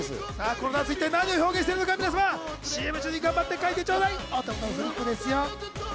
このダンス一体何を表現してるのか皆様ＣＭ中に頑張って書いてちょうだいお手元のフリップですよ。